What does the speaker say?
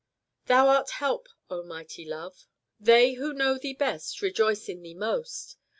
Thou art Help, O mighty Love. They who know thee best rejoice in thee most.